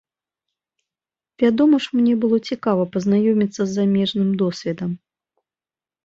Вядома ж, мне было цікава пазнаёміцца з замежным досведам.